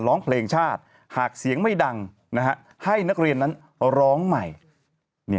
ร้องเพลงชาติหากเสียงไม่ดังให้นักเรียนนั้นร้องใหม่